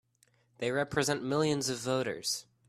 They represent millions of voters!